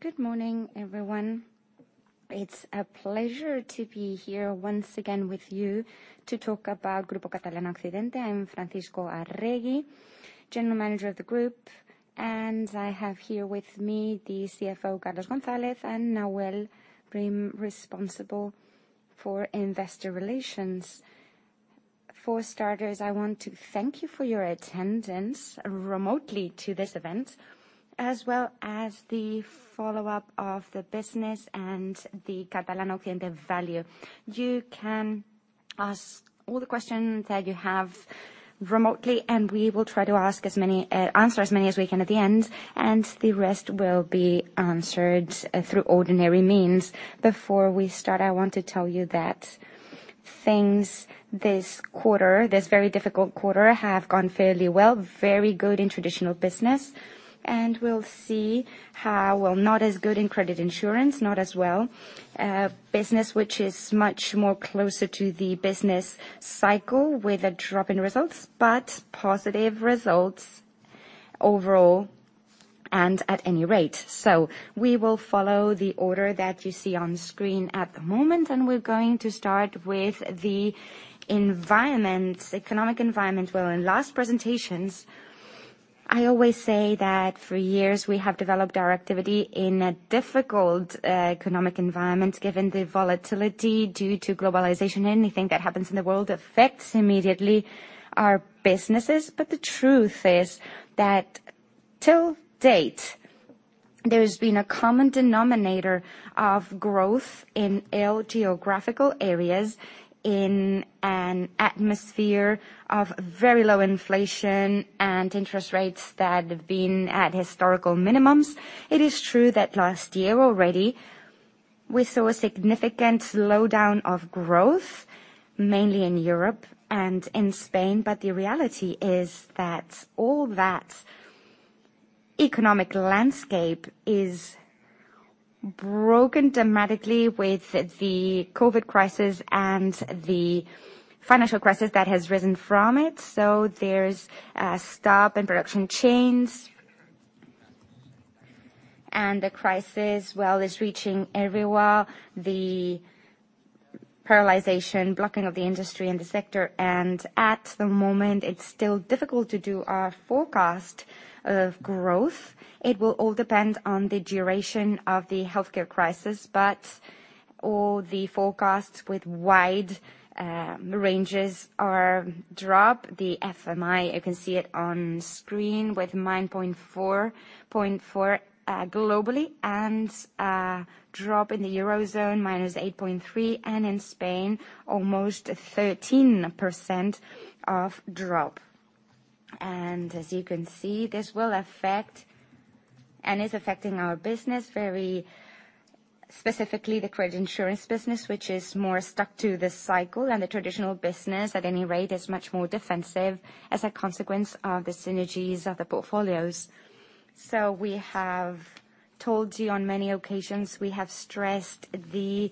Good morning, everyone. It's a pleasure to be here once again with you to talk about Grupo Catalana Occidente. I'm Francisco Arregui, General Manager of the group, and I have here with me the CFO, Carlos González, and Nawal Rim, responsible for investor relations. For starters, I want to thank you for your attendance remotely to this event, as well as the follow-up of the business and the Catalana Occidente value. You can ask all the questions that you have remotely, and we will try to answer as many as we can at the end, and the rest will be answered through ordinary means. Before we start, I want to tell you that things this quarter, this very difficult quarter, have gone fairly well. Very good in traditional business. We'll see how, well, not as good in credit insurance, not as well. Business which is much more closer to the business cycle with a drop in results, but positive results overall and at any rate. We will follow the order that you see on screen at the moment, and we're going to start with the economic environment. Well, in last presentations, I always say that for years we have developed our activity in a difficult economic environment, given the volatility due to globalization. Anything that happens in the world affects immediately our businesses. The truth is that till date, there's been a common denominator of growth in all geographical areas in an atmosphere of very low inflation and interest rates that have been at historical minimums. It is true that last year already, we saw a significant slowdown of growth, mainly in Europe and in Spain. The reality is that all that economic landscape is broken dramatically with the COVID crisis and the financial crisis that has risen from it. There's a stop in production chains, and the crisis, well, is reaching everywhere. The paralyzation, blocking of the industry and the sector, and at the moment, it's still difficult to do a forecast of growth. It will all depend on the duration of the healthcare crisis, all the forecasts with wide ranges are dropped. The FMI, you can see it on screen with 9.4% globally, and a drop in the eurozone, -8.3%, and in Spain, almost 13% of drop. As you can see, this will affect and is affecting our business, very specifically the credit insurance business, which is more stuck to the cycle and the traditional business, at any rate, is much more defensive as a consequence of the synergies of the portfolios. We have told you on many occasions, we have stressed the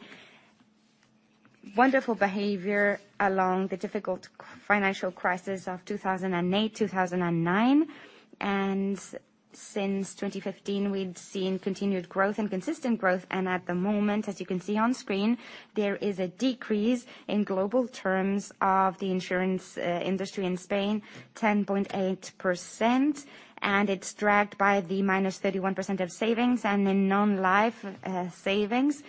wonderful behavior along the difficult financial crisis of 2008, 2009. Since 2015, we've seen continued growth and consistent growth. At the moment, as you can see on screen, there is a decrease in global terms of the insurance industry in Spain, 10.8%, and it's dragged by the -31% of savings and in non-life savings,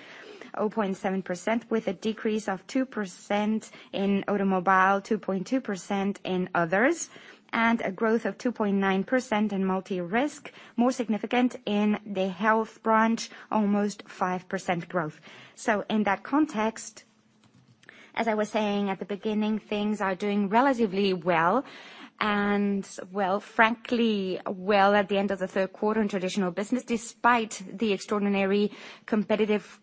0.7%, with a decrease of 2% in automobile, 2.2% in others, and a growth of 2.9% in multi-risk. More significant in the health branch, almost 5% growth. In that context, as I was saying at the beginning, things are doing relatively well, and well, frankly well at the end of the third quarter in traditional business, despite the extraordinary competitive nature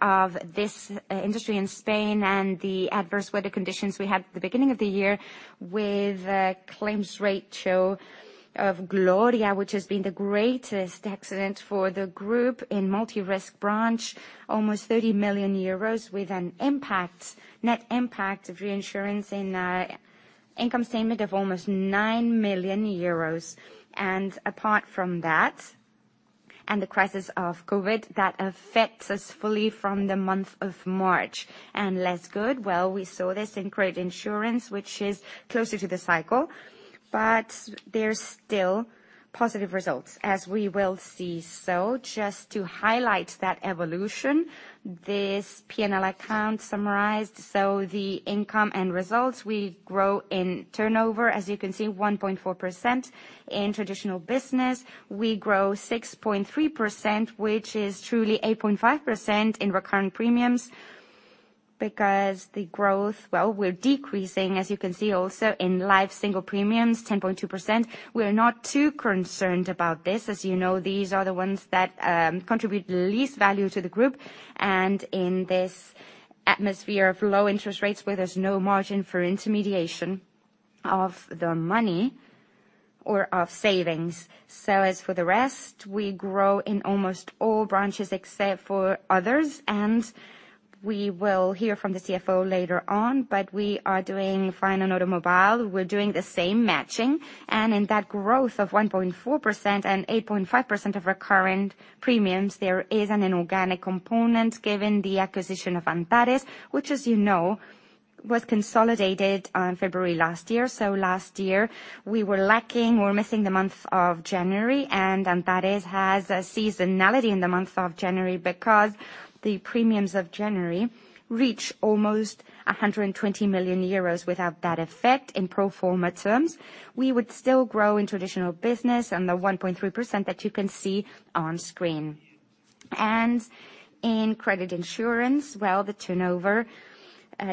of this industry in Spain and the adverse weather conditions we had at the beginning of the year with claims ratio of Gloria, which has been the greatest accident for the group in multi-risk branch, almost 30 million euros with a net impact of reinsurance in income statement of almost 9 million euros. Apart from that and the crisis of COVID that affects us fully from the month of March. Less good. We saw this in credit insurance, which is closer to the cycle. There's still positive results, as we will see. Just to highlight that evolution, this P&L account summarized. The income and results, we grow in turnover. As you can see, 1.4% in traditional business. We grow 6.3%, which is truly 8.5% in recurring premiums because the growth, well, we're decreasing, as you can see also in life single premiums, 10.2%. We are not too concerned about this. As you know, these are the ones that contribute the least value to the group, in this atmosphere of low interest rates where there's no margin for intermediation of the money or of savings. As for the rest, we grow in almost all branches except for others. We will hear from the CFO later on, we are doing fine on automobile. We're doing the same matching, in that growth of 1.4% and 8.5% of recurrent premiums, there is an inorganic component given the acquisition of Antares, which, as you know, was consolidated on February last year. Last year we were lacking or missing the month of January, and Antares has a seasonality in the month of January because the premiums of January reach almost 120 million euros. Without that effect, in pro forma terms, we would still grow in traditional business and the 1.3% that you can see on screen. In credit insurance, well, the turnover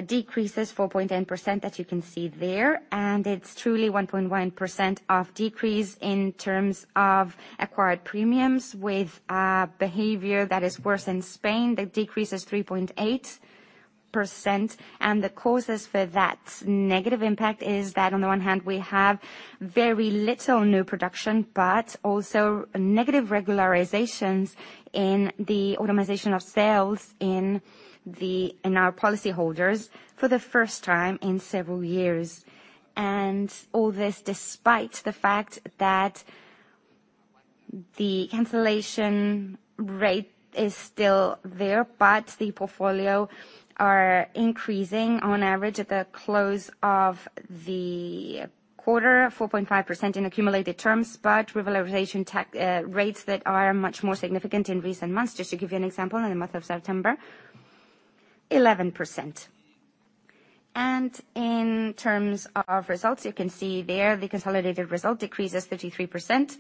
decreases 4.9%, as you can see there, and it's truly 1.1% of decrease in terms of acquired premiums with a behavior that is worse in Spain, that decreases 3.8%. The causes for that negative impact is that on the one hand, we have very little new production, but also negative regularizations in the automatization of sales in our policy holders for the first time in several years. All this despite the fact that the cancellation rate is still there, the portfolio are increasing on average at the close of the quarter, 4.5% in accumulated terms, revalorization rates that are much more significant in recent months. Just to give you an example, in the month of September, 11%. In terms of results, you can see there the consolidated result decreases 33%,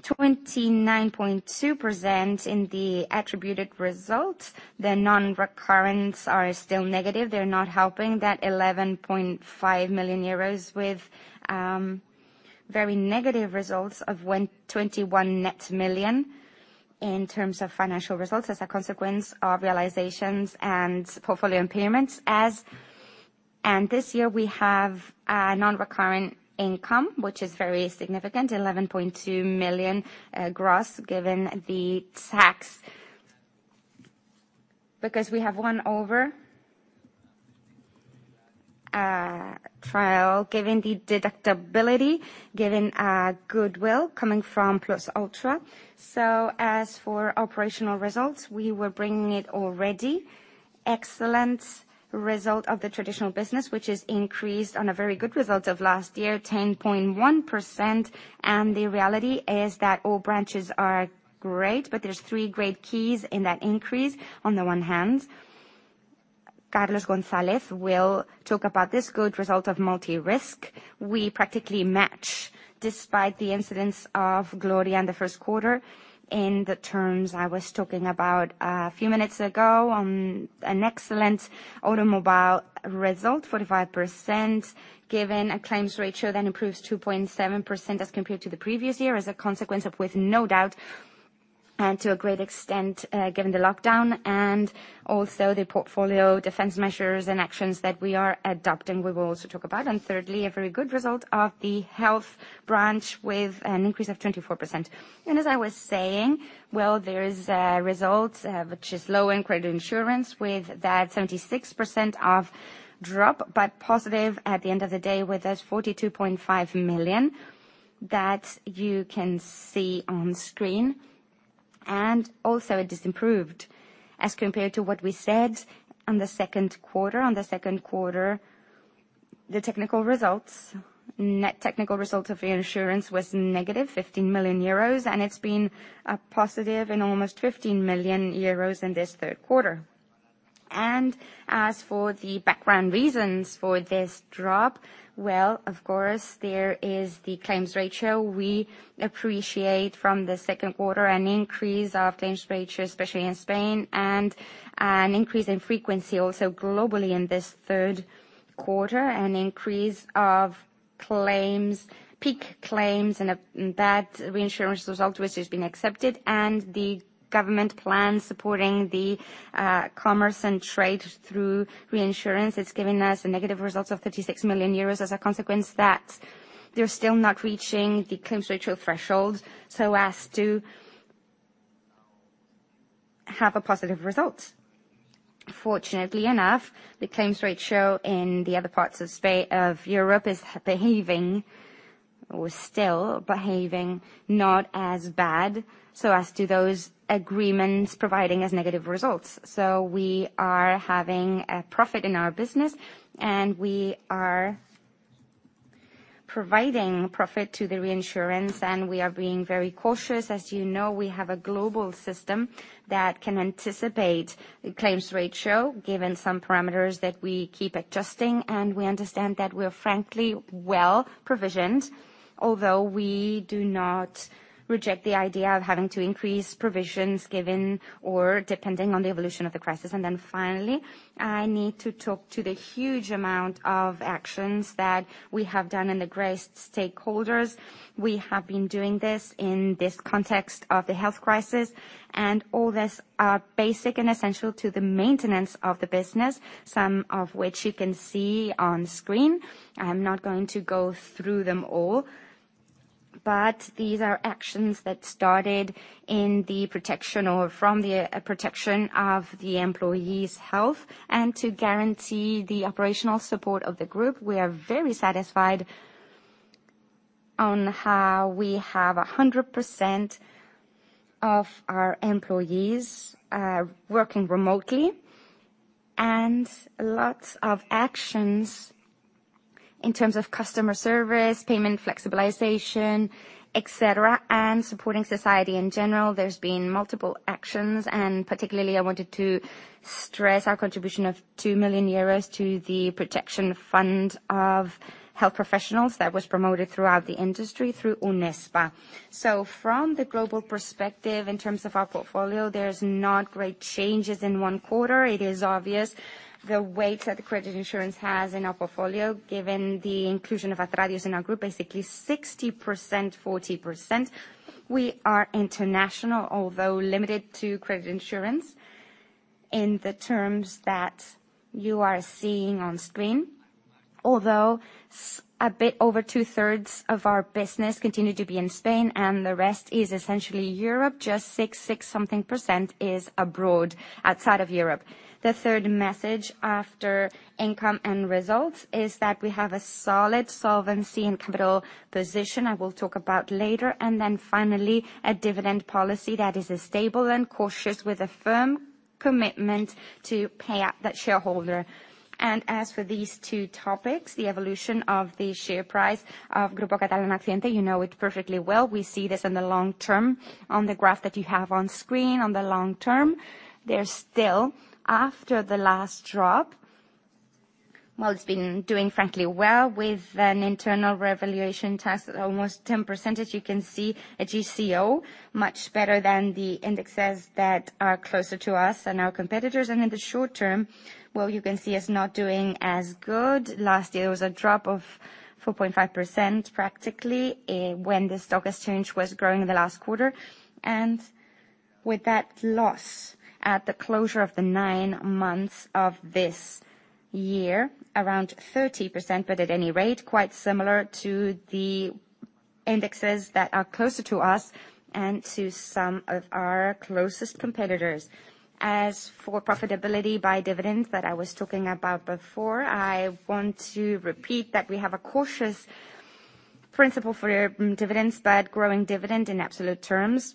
29.2% in the attributed result. The non-recurrents are still negative. They're not helping that 11.5 million euros with very negative results of 21 net million in terms of financial results as a consequence of realizations and portfolio impairments. This year we have a non-recurrent income, which is very significant, 11.2 million gross given the tax, because we have won over a trial given the deductibility, given a goodwill coming from Plus Ultra. As for operational results, we were bringing it already. Excellent result of the traditional business, which is increased on a very good result of last year, 10.1%. The reality is that all branches are great, but there's three great keys in that increase. On the one hand, Carlos González will talk about this good result of multi-risk. We practically match despite the incidents of Gloria in the first quarter in the terms I was talking about a few minutes ago on an excellent automobile result, 45%, given a claims ratio that improves 2.7% as compared to the previous year as a consequence of, with no doubt, and to a great extent, given the lockdown and also the portfolio defense measures and actions that we are adopting, we will also talk about. Thirdly, a very good result of the health branch with an increase of 24%. As I was saying, well, there is a result which is low in credit insurance with that 76% drop, but positive at the end of the day with that 42.5 million that you can see on screen. On the second quarter, the technical results, net technical results of the insurance was negative 15 million euros, and it's been a positive in almost 15 million euros in this third quarter. As for the background reasons for this drop, well, of course, there is the claims ratio. We appreciate from the second quarter an increase of claims ratio, especially in Spain, and an increase in frequency also globally in this third quarter, an increase of claims, peak claims in that reinsurance result, which has been accepted, and the government plan supporting the commerce and trade through reinsurance. It's given us a negative result of 36 million euros as a consequence that they're still not reaching the claims ratio threshold so as to have a positive result. Fortunately enough, the claims ratio in the other parts of Europe is behaving, or is still behaving not as bad, so as to those agreements providing us negative results. We are having a profit in our business, and we are providing profit to the reinsurance, and we are being very cautious. As you know, we have a global system that can anticipate claims ratio given some parameters that we keep adjusting, and we understand that we're frankly well provisioned, although we do not reject the idea of having to increase provisions given or depending on the evolution of the crisis. Finally, I need to talk to the huge amount of actions that we have done in the grace stakeholders. We have been doing this in this context of the health crisis, and all this are basic and essential to the maintenance of the business, some of which you can see on screen. I'm not going to go through them all. These are actions that started from the protection of the employees' health, and to guarantee the operational support of the group. We are very satisfied on how we have 100% of our employees working remotely, and lots of actions in terms of customer service, payment flexibilization, et cetera, and supporting society in general. There's been multiple actions, and particularly I wanted to stress our contribution of 2 million euros to the protection fund of health professionals that was promoted throughout the industry through UNESPA. From the global perspective, in terms of our portfolio, there's not great changes in one quarter. It is obvious the weight that credit insurance has in our portfolio, given the inclusion of Atradius in our group, basically 60%/40%. We are international, although limited to credit insurance in the terms that you are seeing on screen. Although, a bit over two-thirds of our business continue to be in Spain, and the rest is essentially Europe. Just 66%-something is abroad, outside of Europe. The third message after income and results is that we have a solid solvency and capital position I will talk about later. Finally, a dividend policy that is stable and cautious with a firm commitment to pay out that shareholder. As for these two topics, the evolution of the share price of Grupo Catalana Occidente, you know it perfectly well. We see this in the long term. On the graph that you have on screen, on the long term, there's still, after the last drop, while it's been doing frankly well with an internal revaluation test at almost 10%, as you can see, a GCO, much better than the indexes that are closer to us and our competitors. In the short term, while you can see it's not doing as good. Last year, there was a drop of 4.5%, practically, when the stock exchange was growing in the last quarter. With that loss at the closure of the 9 months of this year, around 30%, at any rate, quite similar to the indexes that are closer to us and to some of our closest competitors. As for profitability by dividends that I was talking about before, I want to repeat that we have a cautious principle for dividends, growing dividend in absolute terms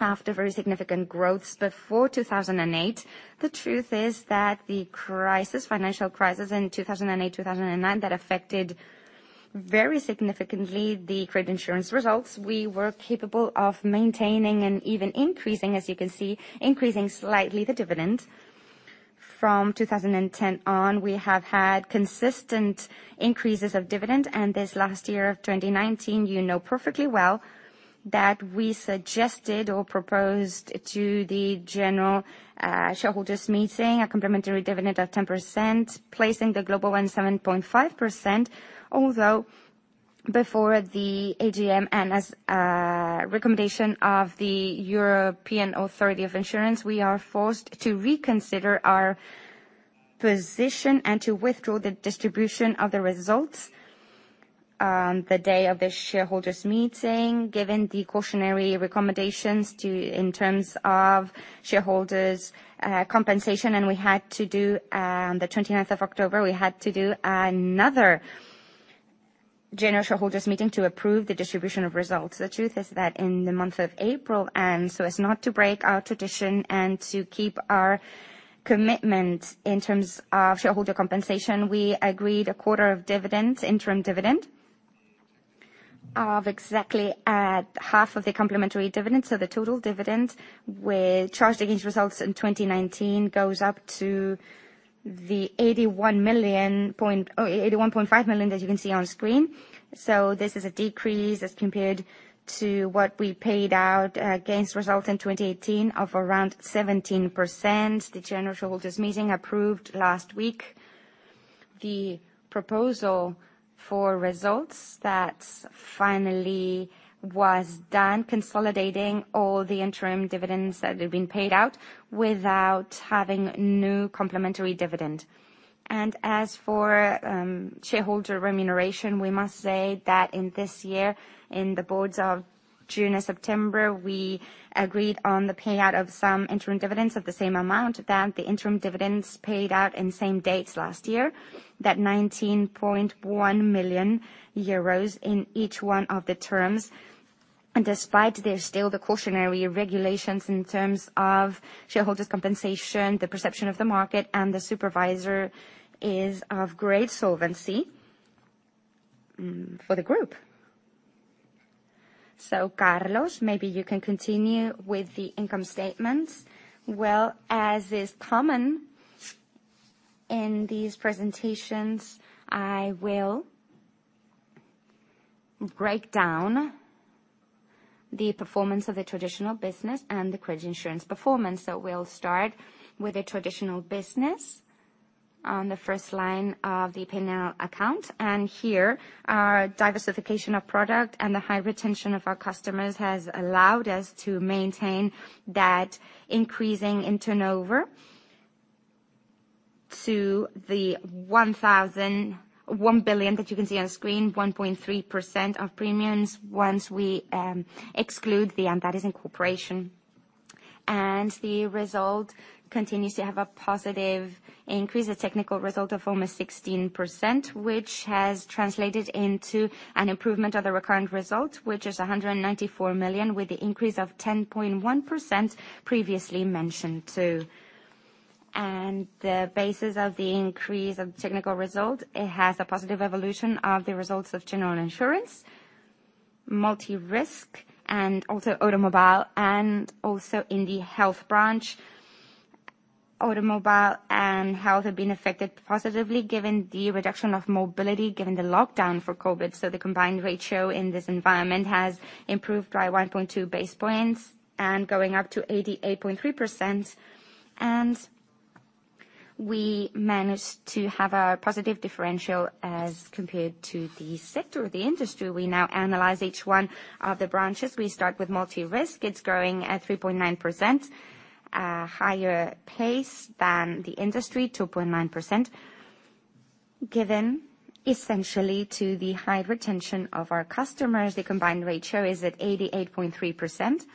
after very significant growths before 2008. The truth is that the financial crisis in 2008, 2009, that affected very significantly the credit insurance results. We were capable of maintaining and even increasing, as you can see, increasing slightly the dividend. From 2010 on, we have had consistent increases of dividend. This last year of 2019, you know perfectly well that we suggested or proposed to the general shareholders meeting, a complimentary dividend of 10%, placing the global in 7.5%. Before the AGM, and as a recommendation of the European Authority of Insurance, we are forced to reconsider our position and to withdraw the distribution of the results on the day of the shareholders meeting, given the cautionary recommendations in terms of shareholders compensation. On the 29th of October, we had to do another general shareholders meeting to approve the distribution of results. The truth is that in the month of April, and so as not to break our tradition and to keep our commitment in terms of shareholder compensation, we agreed a quarter of interim dividend of exactly half of the complimentary dividend. The total dividend, charged against results in 2019, goes up to the 81.5 million that you can see on screen. This is a decrease as compared to what we paid out against results in 2018 of around 17%. The general shareholders meeting approved last week the proposal for results that finally was done consolidating all the interim dividends that had been paid out without having no complementary dividend. As for shareholder remuneration, we must say that in this year, in the boards of June and September, we agreed on the payout of some interim dividends of the same amount that the interim dividends paid out in same dates last year. That 19.1 million euros in each one of the terms. Despite there's still the cautionary regulations in terms of shareholders compensation, the perception of the market and the supervisor is of great solvency for the group. Carlos, maybe you can continue with the income statements. Well, as is common in these presentations, I will break down the performance of the traditional business and the credit insurance performance. We'll start with the traditional business on the first line of the P&L account. Here, our diversification of product and the high retention of our customers has allowed us to maintain that increasing in turnover. To the 1 billion that you can see on screen, 1.3% of premiums, once we exclude the Antares Incorporation. The result continues to have a positive increase, a technical result of almost 16%, which has translated into an improvement of the recurrent result, which is 194 million, with the increase of 10.1% previously mentioned, too. The basis of the increase of technical result, it has a positive evolution of the results of general insurance, multi-risk, and also automobile, and also in the health branch. Automobile and health have been affected positively, given the reduction of mobility, given the lockdown for COVID. The combined ratio in this environment has improved by 1.2 basis points and going up to 88.3%. We managed to have a positive differential as compared to the sector or the industry. We now analyze each one of the branches. We start with multi-risk. It's growing at 3.9%, a higher pace than the industry, 2.9%, given essentially by the high retention of our customers. The combined ratio is at 88.3%,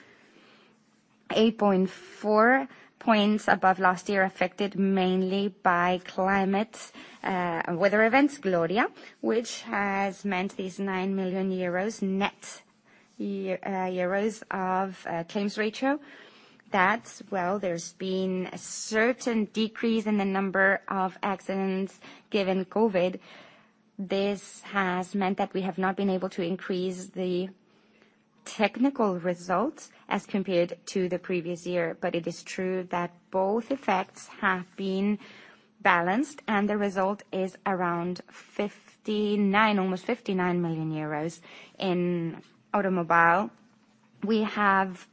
8.4 points above last year, affected mainly by climate weather events, Gloria, which has meant these 9 million euros net of claims ratio. Well, there's been a certain decrease in the number of accidents given COVID. This has meant that we have not been able to increase the technical results as compared to the previous year, but it is true that both effects have been balanced, and the result is around almost 59 million euros. In automobile, we have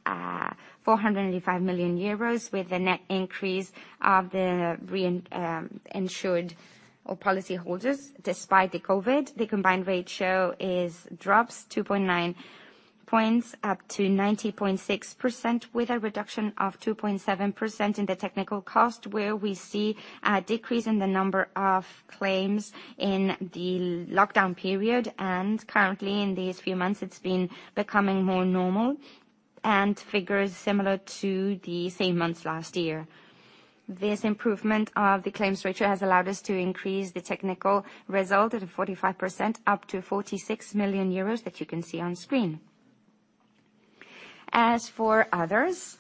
485 million euros with a net increase of the re-insured or policyholders, despite the COVID. The combined ratio drops 2.9 points up to 90.6%, with a reduction of 2.7% in the technical cost, where we see a decrease in the number of claims in the lockdown period. Currently, in these few months, it's been becoming more normal, and figures similar to the same months last year. This improvement of the claims ratio has allowed us to increase the technical result at 45%, up to 46 million euros that you can see on screen. As for others,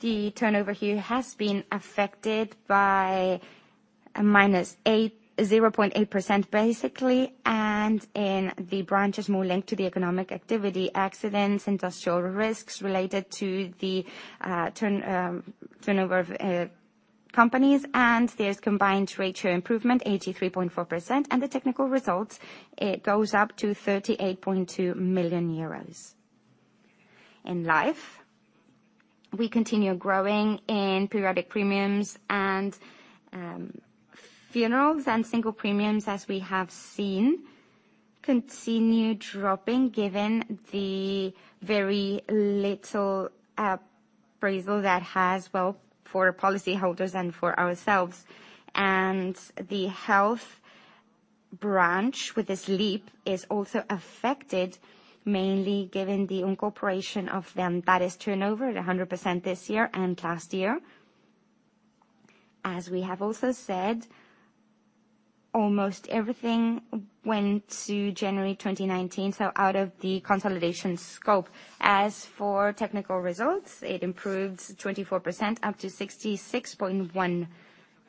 the turnover here has been affected by -0.8%, basically, in the branches more linked to the economic activity, accidents, industrial risks related to the turnover of companies. There's combined ratio improvement 83.4%, and the technical results, it goes up to 38.2 million euros. In life, we continue growing in periodic premiums and funerals, and single premiums, as we have seen, continue dropping given the very little appraisal that has, well, for policyholders and for ourselves. The health branch with this leap is also affected mainly given the incorporation of the Antares turnover at 100% this year and last year. As we have also said, almost everything went to January 2019, so out of the consolidation scope. As for technical results, it improved 24%, up to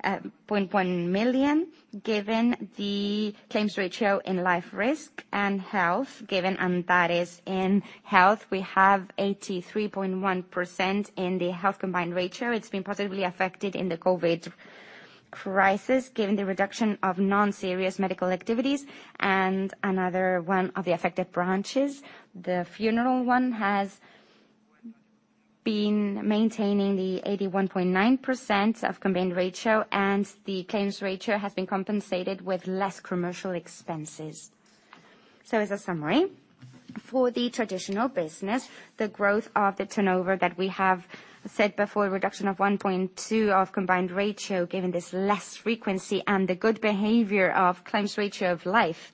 66.1 million, given the claims ratio in life risk and health. Given Antares in health, we have 83.1% in the health combined ratio. It's been positively affected in the COVID crisis, given the reduction of non-serious medical activities. Another one of the affected branches, the funeral one, has been maintaining the 81.9% of combined ratio, and the claims ratio has been compensated with less commercial expenses. As a summary, for the traditional business, the growth of the turnover that we have said before, reduction of 1.2 of combined ratio, given this less frequency and the good behavior of claims ratio of life.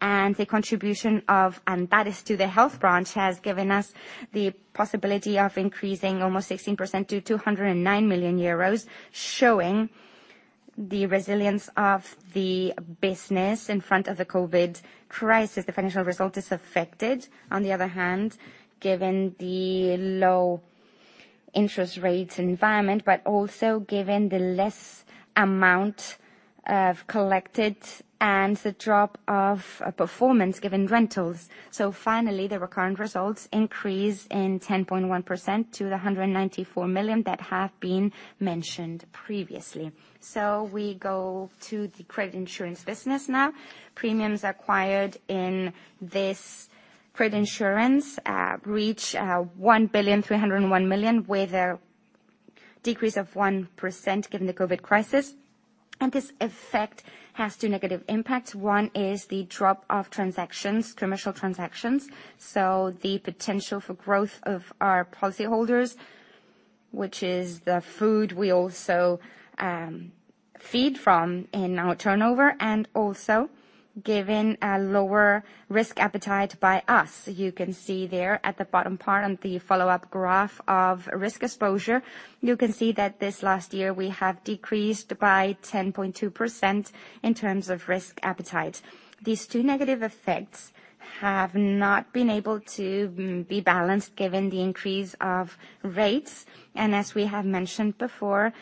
The contribution of Antares to the health branch has given us the possibility of increasing almost 16% to 209 million euros, showing the resilience of the business in front of the COVID crisis. The financial result is affected, on the other hand, given the low interest rates environment, also given the less amount of collected and the drop of performance given rentals. Finally, the recurrent results increase in 10.1% to the 194 million that have been mentioned previously. We go to the credit insurance business now. Premiums acquired in this credit insurance reach 1,301,000,000, with a decrease of 1% given the COVID crisis. This effect has two negative impacts. One is the drop of commercial transactions, the potential for growth of our policyholders, which is the food we also feed from in our turnover, also given a lower risk appetite by us. You can see there at the bottom part, on the follow-up graph of risk exposure, you can see that this last year we have decreased by 10.2% in terms of risk appetite. These two negative effects have not been able to be balanced given the increase of rates. As we have mentioned before,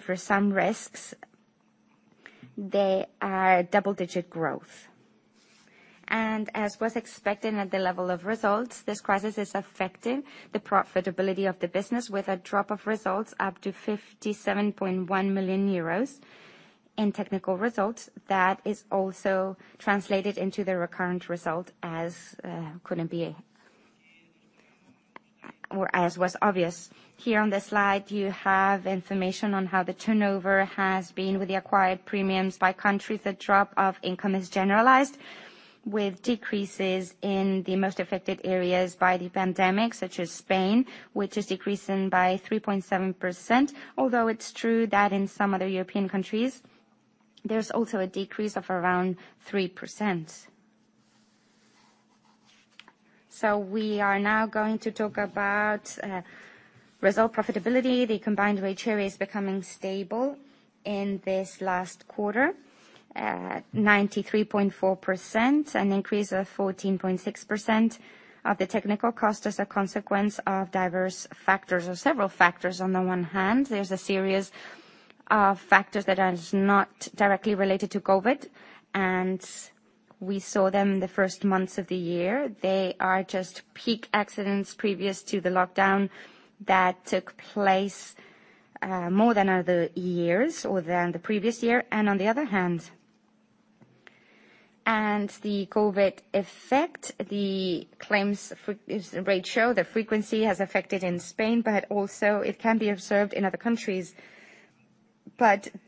for some risks, they are double-digit growth. As was expected at the level of results, this crisis is affecting the profitability of the business with a drop of results up to 57.1 million euros in technical results. That is also translated into the recurrent result as couldn't be, or as was obvious. Here on this slide, you have information on how the turnover has been with the acquired premiums by country. The drop of income is generalized, with decreases in the most affected areas by the pandemic, such as Spain, which is decreasing by 3.7%. Although it's true that in some other European countries, there's also a decrease of around 3%. We are now going to talk about result profitability. The combined ratio is becoming stable in this last quarter at 93.4%, an increase of 14.6% of the technical cost as a consequence of diverse factors or several factors. On the one hand, there's a series of factors that are not directly related to COVID, and we saw them the first months of the year. They are just peak accidents previous to the lockdown that took place more than other years or than the previous year. On the other hand, and the COVID effect, the claims ratio, the frequency has affected in Spain, but also it can be observed in other countries.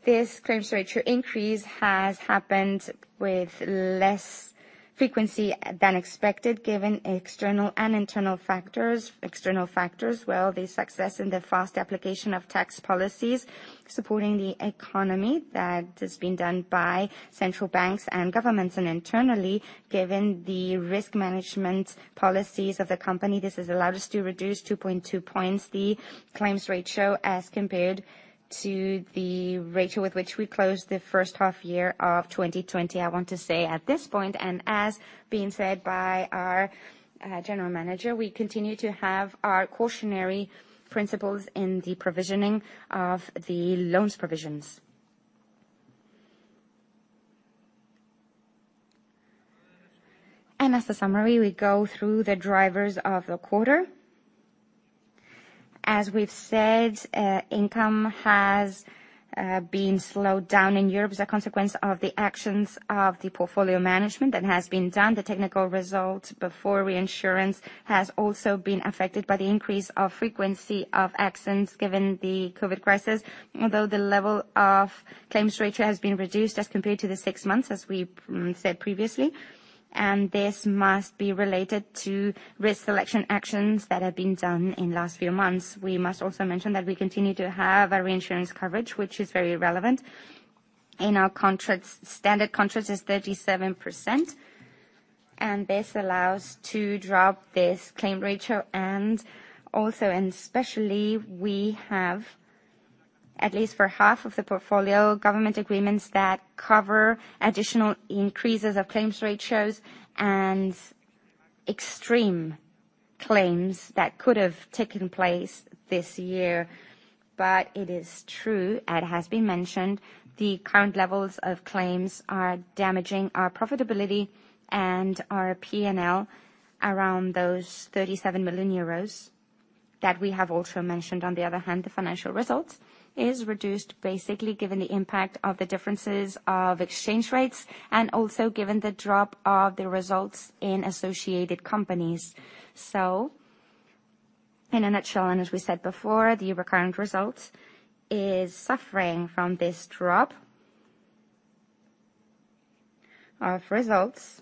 This claims ratio increase has happened with less frequency than expected, given external and internal factors. External factors, well, the success in the fast application of tax policies supporting the economy that has been done by central banks and governments. Internally, given the risk management policies of the company, this has allowed us to reduce 2.2 points the claims ratio as compared to the ratio with which we closed the first half year of 2020. I want to say at this point, and as being said by our General Manager, we continue to have our cautionary principles in the provisioning of the loans provisions. As a summary, we go through the drivers of the quarter. As we've said, income has been slowed down in Europe as a consequence of the actions of the portfolio management that has been done. The technical result before reinsurance has also been affected by the increase of frequency of accidents given the COVID crisis. The level of claims ratio has been reduced as compared to the six months, as we said previously. This must be related to risk selection actions that have been done in last few months. We must also mention that we continue to have a reinsurance coverage, which is very relevant. In our standard contracts is 37%, and this allows to drop this claims ratio. Also and especially, we have at least for half of the portfolio, government agreements that cover additional increases of claims ratios and extreme claims that could have taken place this year. It is true, as has been mentioned, the current levels of claims are damaging our profitability and our P&L around those 37 million euros that we have also mentioned. On the other hand, the financial result is reduced basically given the impact of the differences of exchange rates and also given the drop of the results in associated companies. In a nutshell, and as we said before, the recurrent result is suffering from this drop of results,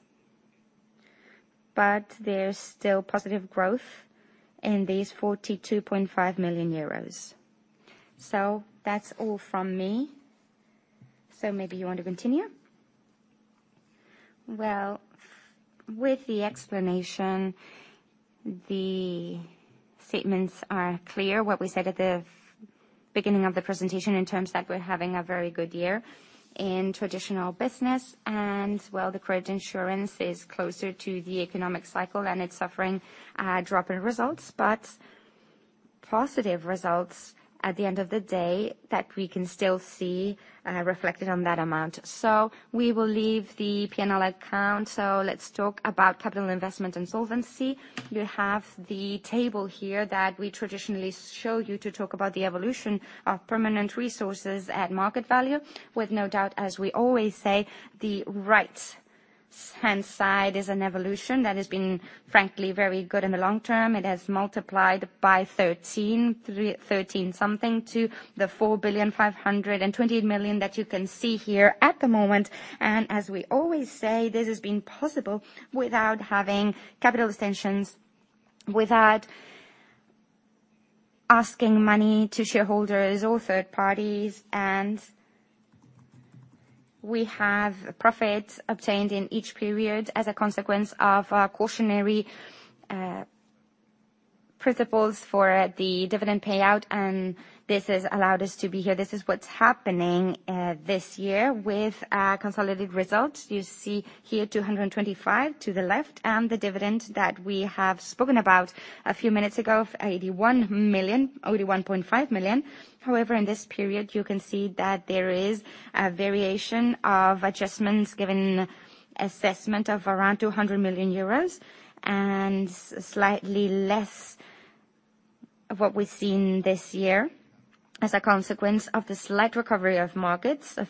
but there's still positive growth in these 42.5 million euros. That's all from me. Maybe you want to continue? Well, with the explanation, the statements are clear. What we said at the beginning of the presentation in terms that we're having a very good year in traditional business, and while the credit insurance is closer to the economic cycle, and it's suffering a drop in results. Positive results at the end of the day that we can still see reflected on that amount. We will leave the P&L account. Let's talk about capital investment and solvency. You have the table here that we traditionally show you to talk about the evolution of permanent resources at market value. With no doubt, as we always say, the right-hand side is an evolution that has been, frankly, very good in the long term. It has multiplied by 13x something to the 4.52 billion that you can see here at the moment. And as we always say, this has been possible without having capital extensions without asking money from shareholders or third parties. We have a profit obtained in each period as a consequence of our cautionary principles for the dividend payout, and this has allowed us to be here. This is what's happening this year with our consolidated results. You see here 225 million to the left, and the dividend that we have spoken about a few minutes ago, of 81.5 million. In this period, you can see that there is a variation of adjustments, given assessment of around 200 million euros and slightly less of what we've seen this year, as a consequence of the slight recovery of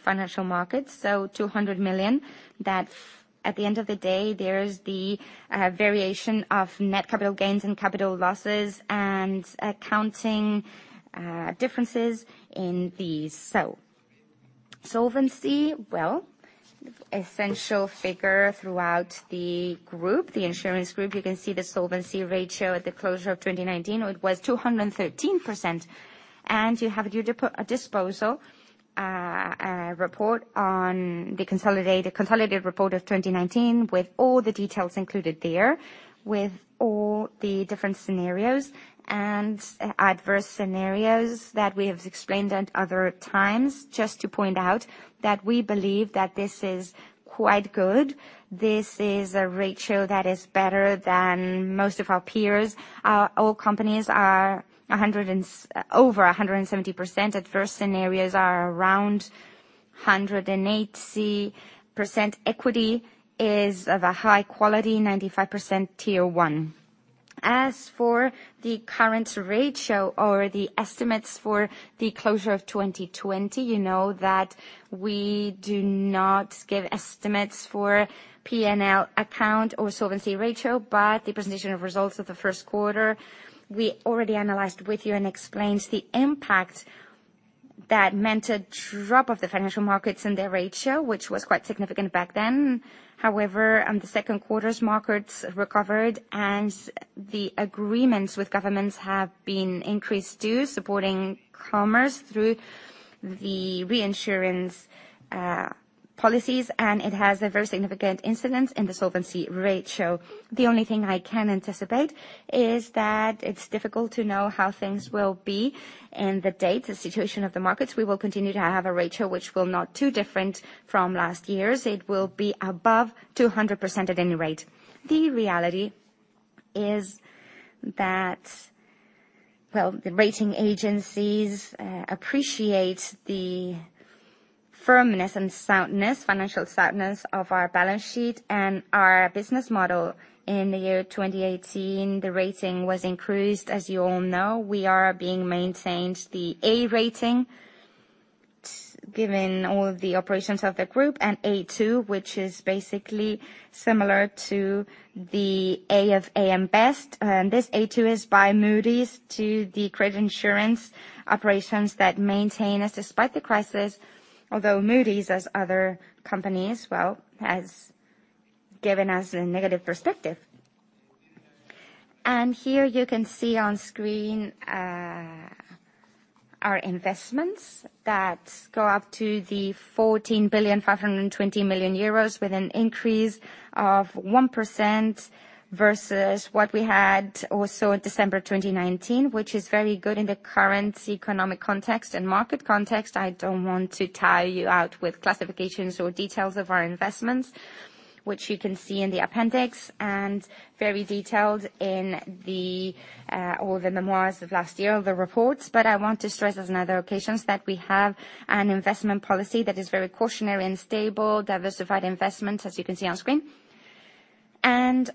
financial markets. 200 million, that at the end of the day, there is the variation of net capital gains and capital losses and accounting differences in the sale. Solvency, well, essential figure throughout the insurance group. You can see the solvency ratio at the closure of 2019. It was 213%. You have at your disposal, a consolidated report of 2019, with all the details included there, with all the different scenarios and adverse scenarios that we have explained at other times. Just to point out that we believe that this is quite good. This is a ratio that is better than most of our peers. Our companies are over 170%. Adverse scenarios are around 180%. Equity is of a high quality, 95% Tier 1. As for the current ratio or the estimates for the closure of 2020, you know that we do not give estimates for P&L account or solvency ratio, but the presentation of results of the first quarter, we already analyzed with you and explained the impact that meant a drop of the financial markets and their ratio, which was quite significant back then. However, on the second quarter, markets recovered, and the agreements with governments have been increased too, supporting commerce through the reinsurance policies, and it has a very significant incidence in the solvency ratio. The only thing I can anticipate is that it's difficult to know how things will be, and the date, the situation of the markets. We will continue to have a ratio which will not too different from last year's. It will be above 200% at any rate. The reality is that, well, the rating agencies appreciate the firmness and soundness, financial soundness of our balance sheet and our business model. In the year 2018, the rating was increased. As you all know, we are being maintained the A rating, given all of the operations of the group, and A2, which is basically similar to the A of A.M. Best. This A2 is by Moody's to the credit insurance operations that maintain us despite the crisis. Moody's, as other companies, well, has given us a negative perspective. Here you can see on screen our investments that go up to 14,520,000,000 euros with an increase of 1% versus what we had also in December 2019, which is very good in the current economic context and market context. I don't want to tire you out with classifications or details of our investments, which you can see in the appendix, and very detailed in all the memoirs of last year, of the reports. I want to stress as in other occasions, that we have an investment policy that is very cautionary and stable, diversified investment, as you can see on screen.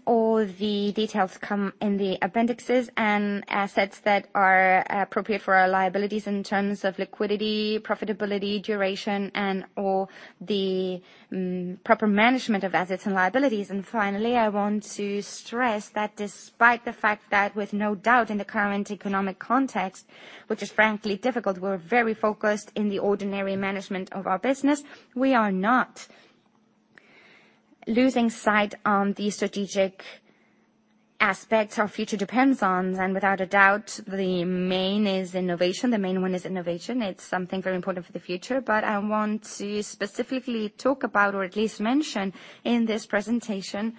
All the details come in the appendixes and assets that are appropriate for our liabilities in terms of liquidity, profitability, duration, and/or the proper management of assets and liabilities. Finally, I want to stress that despite the fact that with no doubt in the current economic context, which is frankly difficult, we're very focused in the ordinary management of our business. We are not losing sight on the strategic aspects our future depends on. Without a doubt, the main one is innovation. It's something very important for the future. I want to specifically talk about, or at least mention in this presentation,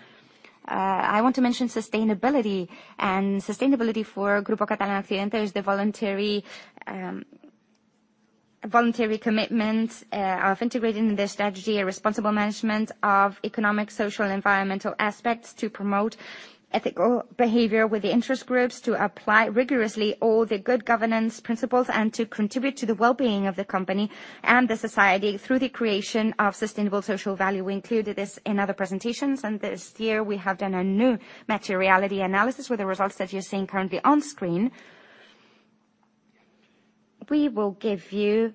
sustainability. Sustainability for Grupo Catalana Occidente is the voluntary commitment of integrating in their strategy a responsible management of economic, social, and environmental aspects to promote ethical behavior with the interest groups, to apply rigorously all the good governance principles, and to contribute to the well-being of the company and the society through the creation of sustainable social value. We included this in other presentations, and this year we have done a new materiality analysis with the results that you're seeing currently on screen. We will give you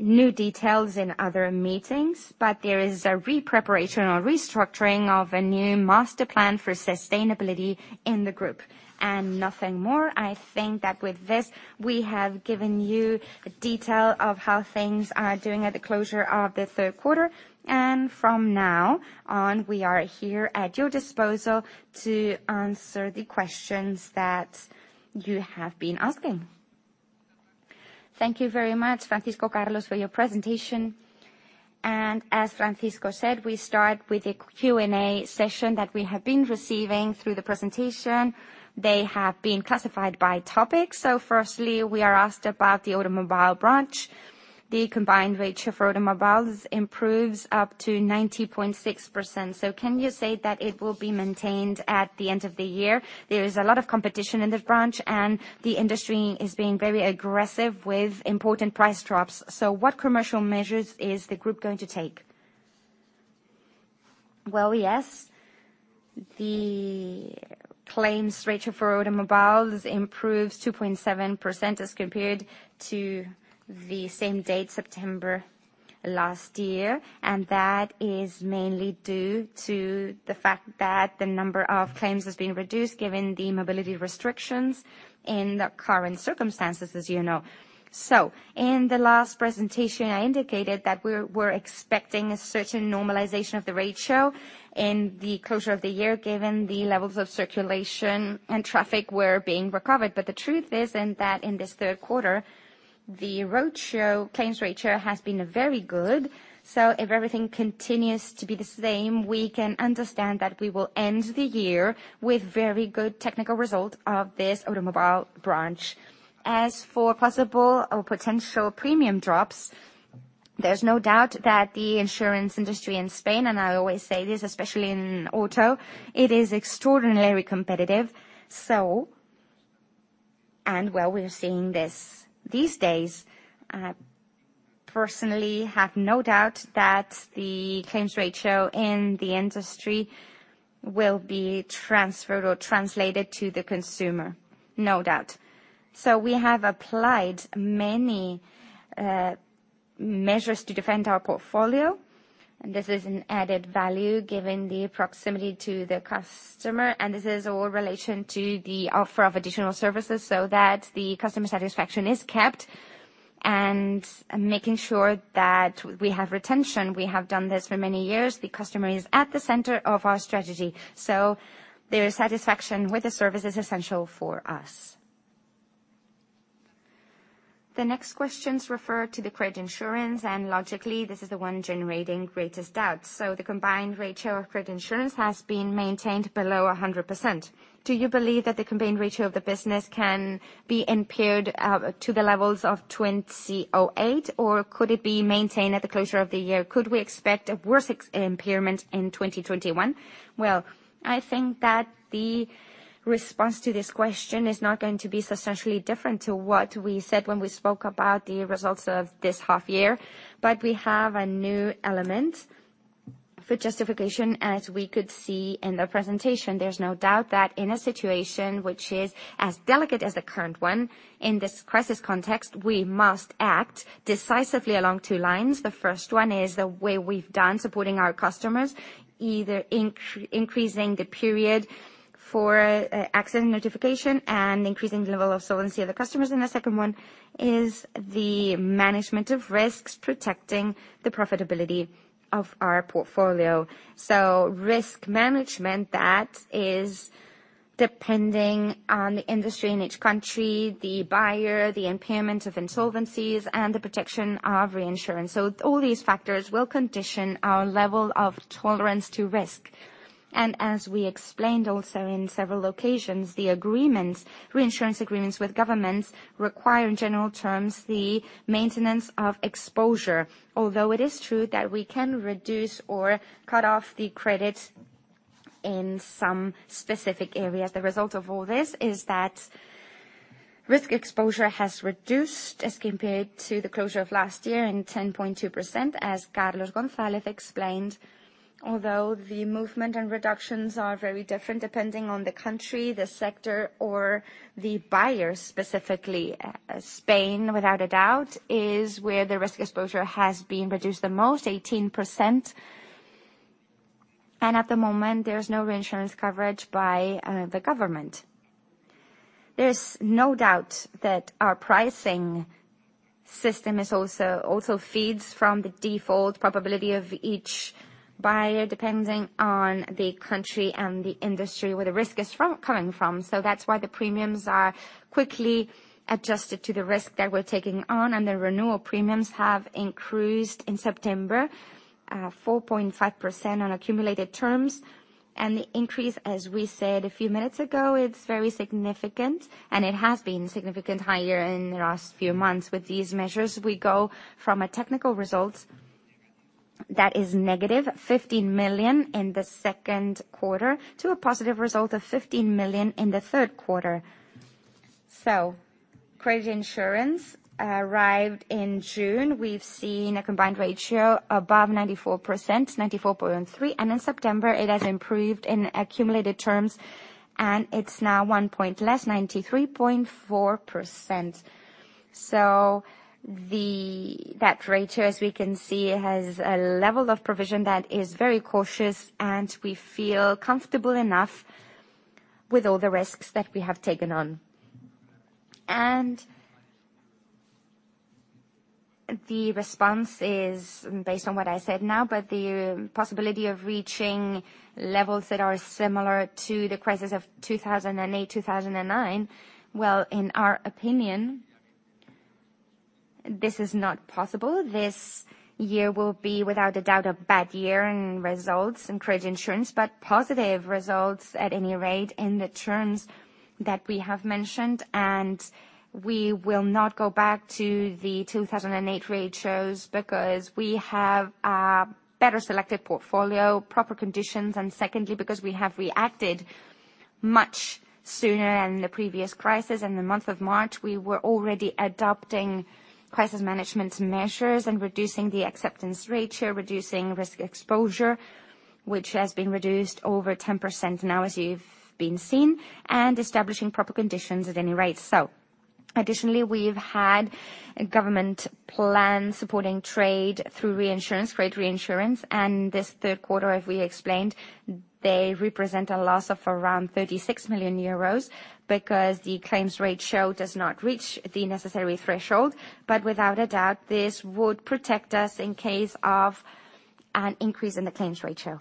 new details in other meetings, but there is a re-preparation or restructuring of a new master plan for sustainability in the group. Nothing more. I think that with this, we have given you detail of how things are doing at the closure of the third quarter. From now on, we are here at your disposal to answer the questions that you have been asking. Thank you very much, Francisco, Carlos, for your presentation. As Francisco said, we start with the Q&A session that we have been receiving through the presentation. They have been classified by topic. Firstly, we are asked about the automobile branch. The combined ratio for automobiles improves up to 90.6%. Can you say that it will be maintained at the end of the year? There is a lot of competition in this branch, and the industry is being very aggressive with important price drops. What commercial measures is the group going to take? Well, yes. The claims ratio for automobiles improves 2.7% as compared to the same date, September last year. That is mainly due to the fact that the number of claims has been reduced given the mobility restrictions in the current circumstances, as you know. In the last presentation, I indicated that we're expecting a certain normalization of the ratio in the closure of the year, given the levels of circulation and traffic were being recovered. The truth is that in this third quarter, the claims ratio has been very good. If everything continues to be the same, we can understand that we will end the year with very good technical result of this automobile branch. As for possible or potential premium drops, there's no doubt that the insurance industry in Spain, and I always say this, especially in auto, it is extraordinarily competitive. Well, we are seeing this these days. I personally have no doubt that the claims ratio in the industry will be transferred or translated to the consumer. No doubt. We have applied many measures to defend our portfolio, and this is an added value given the proximity to the customer, and this is all relation to the offer of additional services so that the customer satisfaction is kept and making sure that we have retention. We have done this for many years. The customer is at the center of our strategy, so their satisfaction with the service is essential for us. The next questions refer to the credit insurance, and logically, this is the one generating greatest doubt. The combined ratio of credit insurance has been maintained below 100%. Do you believe that the combined ratio of the business can be impaired to the levels of 2008 or could it be maintained at the closure of the year? Could we expect a worse impairment in 2021? Well, I think that the response to this question is not going to be substantially different to what we said when we spoke about the results of this half year, but we have a new element for justification. As we could see in the presentation, there's no doubt that in a situation which is as delicate as the current one, in this crisis context, we must act decisively along two lines. The first one is the way we've done supporting our customers, either increasing the period for accident notification and increasing the level of solvency of the customers. The second one is the management of risks, protecting the profitability of our portfolio. Risk management, that is depending on the industry in each country, the buyer, the impairment of insolvencies, and the protection of reinsurance. All these factors will condition our level of tolerance to risk. As we explained also in several occasions, the reinsurance agreements with governments require, in general terms, the maintenance of exposure. Although it is true that we can reduce or cut off the credit in some specific areas. The result of all this is that risk exposure has reduced as compared to the closure of last year in 10.2%, as Carlos González explained. Although the movement and reductions are very different depending on the country, the sector or the buyer specifically. Spain, without a doubt, is where the risk exposure has been reduced the most, 18%. At the moment, there's no reinsurance coverage by the government. There's no doubt that our pricing system also feeds from the default probability of each buyer, depending on the country and the industry where the risk is coming from. That's why the premiums are quickly adjusted to the risk that we're taking on, and the renewal premiums have increased in September, 4.5% on accumulated terms. The increase, as we said a few minutes ago, it's very significant, and it has been significantly higher in the last few months. With these measures, we go from a technical result that is -15 million in the second quarter to a positive result of 15 million in the third quarter. So credit insurance arrived in June. We've seen a combined ratio above 94%, 94.3. In September, it has improved in accumulated terms, and it's now one point less, 93.4%. That ratio, as we can see, has a level of provision that is very cautious, and we feel comfortable enough with all the risks that we have taken on. The response is based on what I said now, but the possibility of reaching levels that are similar to the crisis of 2008-2009, well, in our opinion, this is not possible. This year will be, without a doubt, a bad year in results in credit insurance, but positive results at any rate in the terms that we have mentioned. We will not go back to the 2008 ratios, because we have a better selected portfolio, proper conditions, and secondly, because we have reacted much sooner than the previous crisis. In the month of March, we were already adopting crisis management measures and reducing the acceptance ratio, reducing risk exposure, which has been reduced over 10% now, as you've been seeing, and establishing proper conditions at any rate. Additionally, we've had government plans supporting trade through reinsurance, credit reinsurance, and this third quarter, as we explained, they represent a loss of around 36 million euros because the claims ratio does not reach the necessary threshold. Without a doubt, this would protect us in case of an increase in the claims ratio.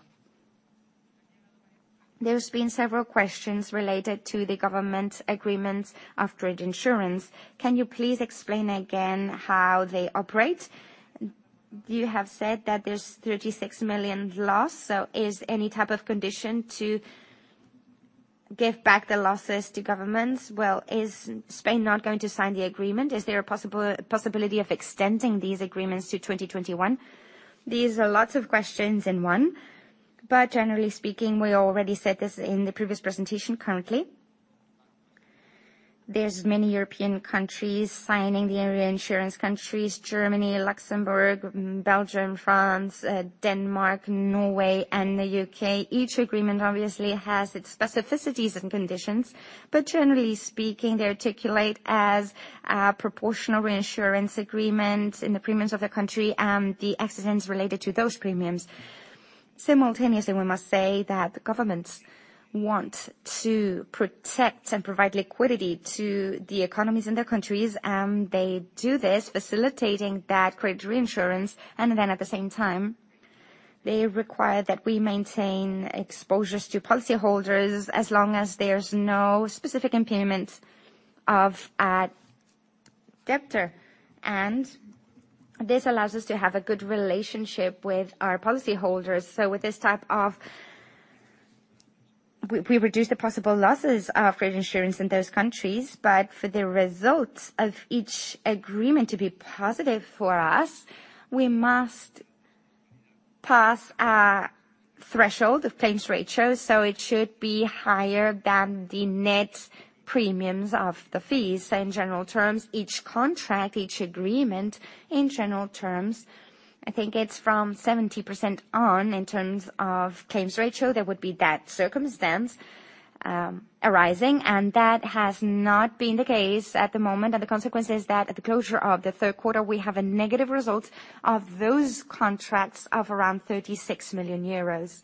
There's been several questions related to the government agreements of trade insurance. Can you please explain again how they operate? You have said that there's 36 million loss. Is any type of condition to give back the losses to governments? Is Spain not going to sign the agreement? Is there a possibility of extending these agreements to 2021? These are lots of questions in one, but generally speaking, we already said this in the previous presentation. Currently, there's many European countries signing the reinsurance. Countries Germany, Luxembourg, Belgium, France, Denmark, Norway, and the U.K. Each agreement obviously has its specificities and conditions, but generally speaking, they articulate as a proportional reinsurance agreement in the premiums of the country and the accidents related to those premiums. Simultaneously, we must say that the governments want to protect and provide liquidity to the economies in their countries, and they do this facilitating that credit reinsurance, and then at the same time, they require that we maintain exposures to policyholders as long as there's no specific impairment of a debtor. This allows us to have a good relationship with our policyholders. With this type, we reduce the possible losses of credit insurance in those countries, but for the results of each agreement to be positive for us, we must pass a threshold of claims ratio. It should be higher than the net premiums of the fees. In general terms, each contract, each agreement, in general terms, I think it's from 70% on in terms of claims ratio, there would be that circumstance arising, and that has not been the case at the moment. The consequence is that at the closure of the third quarter, we have a negative result of those contracts of around 36 million euros.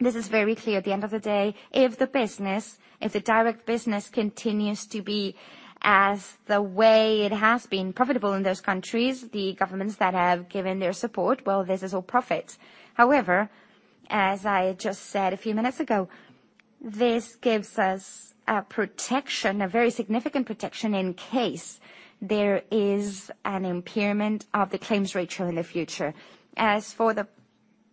This is very clear. At the end of the day, if the business, if the direct business continues to be as the way it has been profitable in those countries, the governments that have given their support, well, this is all profit. However, as I just said a few minutes ago, this gives us a protection, a very significant protection in case there is an impairment of the claims ratio in the future. As for the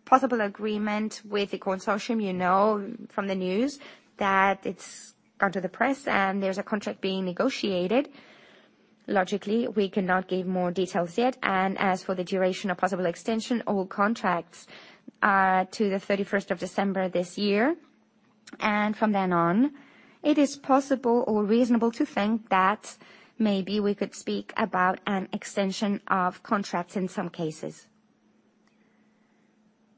possible agreement with the Consortium, you know from the news that it's gone to the press and there's a contract being negotiated. Logically, we cannot give more details yet, and as for the duration of possible extension, all contracts are to the 31st of December this year. From then on, it is possible or reasonable to think that maybe we could speak about an extension of contracts in some cases.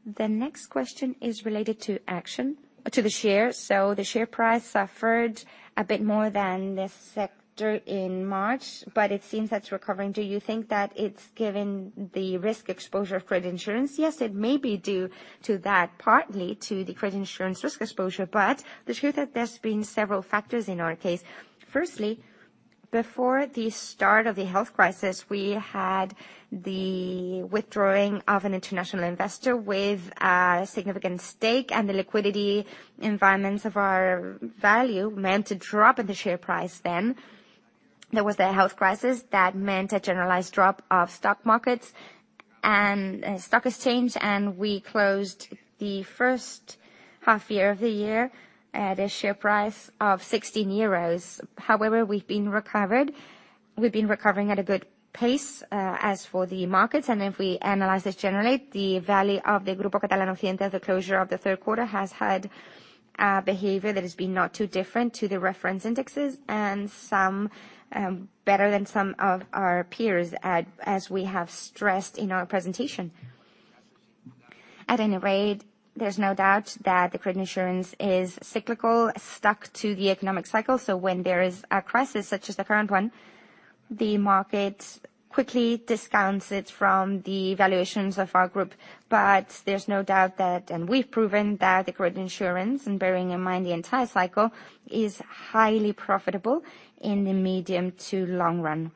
The next question is related to action to the share. The share price suffered a bit more than this sector in March. It seems that's recovering. Do you think that it's given the risk exposure of credit insurance? Yes, it may be due to that, partly to the credit insurance risk exposure. The truth is there's been several factors in our case. Firstly, before the start of the health crisis, we had the withdrawing of an international investor with a significant stake. The liquidity environments of our value meant a drop in the share price then. There was the health crisis that meant a generalized drop of stock markets and stock exchange. We closed the first half year of the year at a share price of 16 euros. We've been recovering at a good pace. As for the markets, if we analyze this generally, the value of the Grupo Catalana Occidente, the closure of the third quarter has had a behavior that has been not too different to the reference indexes and better than some of our peers, as we have stressed in our presentation. At any rate, there's no doubt that the credit insurance is cyclical, stuck to the economic cycle. When there is a crisis such as the current one, the market quickly discounts it from the valuations of our group. There's no doubt that, and we've proven that the credit insurance, and bearing in mind the entire cycle, is highly profitable in the medium to long run.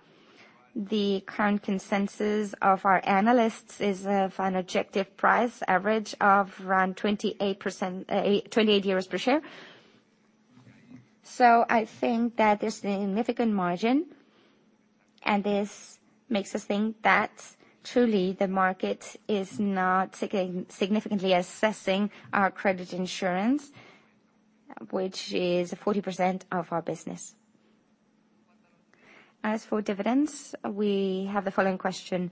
The current consensus of our analysts is for an objective price average of around 28 per share. I think that is a significant margin, and this makes us think that truly the market is not significantly assessing our credit insurance, which is 40% of our business. As for dividends, we have the following question: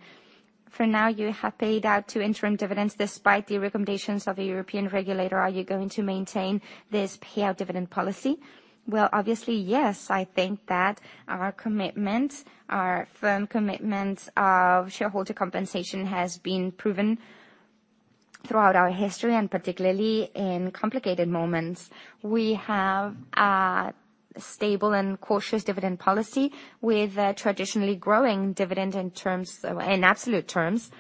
for now, you have paid out two interim dividends despite the recommendations of the European regulator. Are you going to maintain this payout dividend policy? Well, obviously, yes. I think that our firm commitment of shareholder compensation has been proven throughout our history, and particularly in complicated moments. We have a stable and cautious dividend policy with a traditionally growing dividend in absolute terms.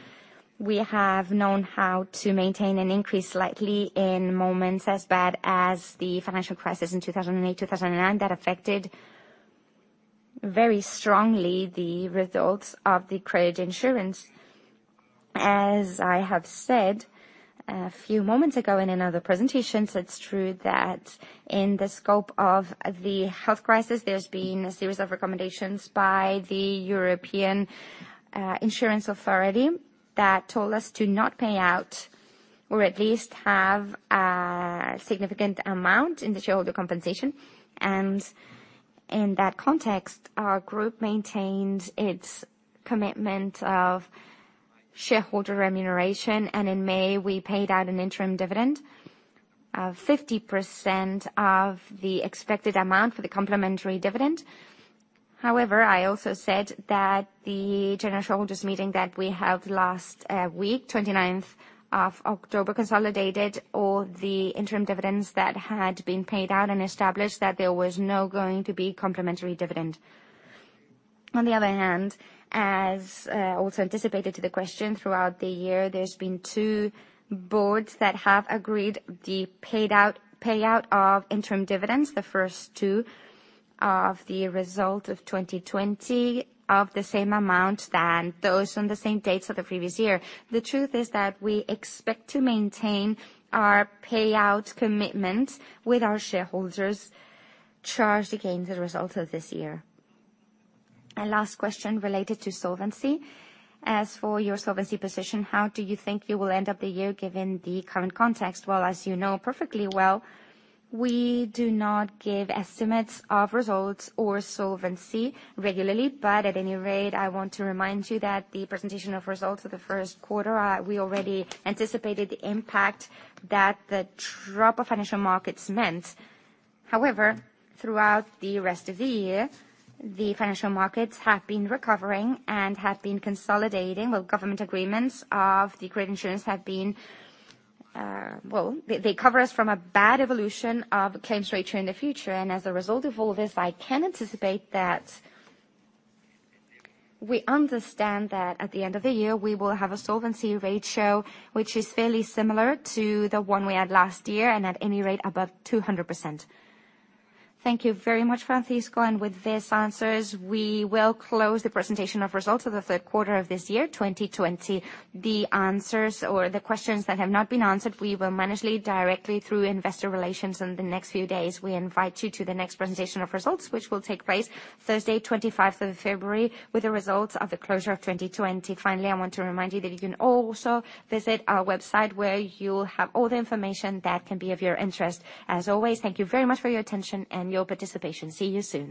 We have known how to maintain an increase, slightly, in moments as bad as the financial crisis in 2008, 2009, that affected very strongly the results of the credit insurance. As I have said a few moments ago in another presentation, it is true that in the scope of the health crisis, there has been a series of recommendations by the European Insurance Authority that told us to not pay out, or at least have a significant amount in the shareholder compensation. In that context, our group maintains its commitment of shareholder remuneration, and in May, we paid out an interim dividend of 50% of the expected amount for the complementary dividend. However, I also said that the general shareholders meeting that we held last week, 29th of October, consolidated all the interim dividends that had been paid out and established that there was not going to be complementary dividend. On the other hand, as also anticipated to the question, throughout the year, there's been two boards that have agreed the payout of interim dividends, the first two of the result of 2020, of the same amount than those on the same dates of the previous year. The truth is that we expect to maintain our payout commitment with our shareholders charged against the results of this year. A last question related to solvency. As for your solvency position, how do you think you will end up the year given the current context? Well, as you know perfectly well, we do not give estimates of results or solvency regularly. At any rate, I want to remind that the presentation of results for the first quarter, we already anticipated the impact that the drop of financial markets meant. However, throughout the rest of the year, the financial markets have been recovering and have been consolidating with government agreements of the credit insurance have been Well, they cover us from a bad evolution of claims ratio in the future. As a result of all this, I can anticipate that we understand that at the end of the year, we will have a solvency ratio which is fairly similar to the one we had last year, and at any rate, above 200%. Thank you very much, Francisco. With these answers, we will close the presentation of results for the third quarter of this year, 2020. The questions that have not been answered, we will manage directly through investor relations in the next few days. We invite you to the next presentation of results, which will take place Thursday, 25 of February, with the results of the closure of 2020. Finally, I want to remind you that you can also visit our website where you'll have all the information that can be of your interest. As always, thank you very much for your attention and your participation. See you soon.